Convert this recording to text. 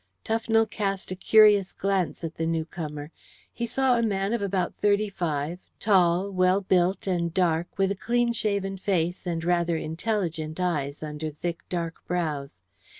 Tufnell cast a curious glance at the new comer. He saw a man of about thirty five, tall, well built and dark, with a clean shaven face and rather intelligent eyes under thick dark brows.